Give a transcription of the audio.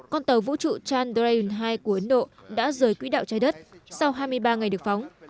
con tàu vũ trụ chandrayun hai của ấn độ đã rời quỹ đạo trái đất sau hai mươi ba ngày được phóng